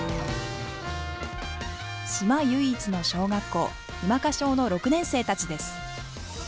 島唯一の小学校、日間賀小の６年生たちです。